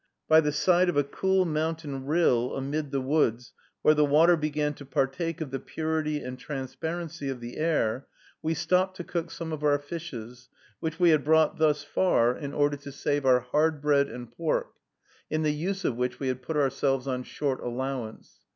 By the side of a cool mountain rill, amid the woods, where the water began to partake of the purity and transparency of the air, we stopped to cook some of our fishes, which we had brought thus far in order to save our hard bread and pork, in the use of which we had put ourselves on short allowance.